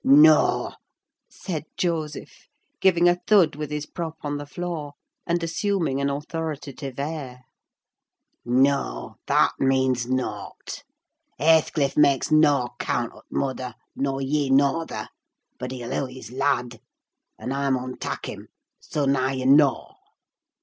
"Noa!" said Joseph, giving a thud with his prop on the floor, and assuming an authoritative air. "Noa! that means naught. Hathecliff maks noa 'count o' t' mother, nor ye norther; but he'll hev his lad; und I mun tak' him—soa now ye knaw!"